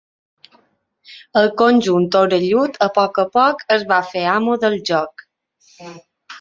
El conjunt orellut, a poc a poc es va fer amo del joc.